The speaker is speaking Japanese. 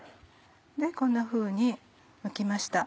こんなふうにむきました。